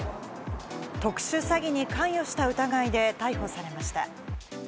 特殊詐欺に関与した疑いで逮捕されました。